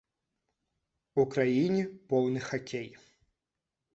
У краіне поўны хакей.